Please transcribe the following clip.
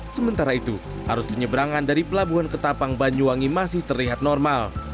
sementara itu arus penyeberangan dari pelabuhan ketapang banyuwangi masih terlihat normal